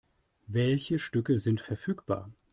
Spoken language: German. Welche Stücke sind verfügbar?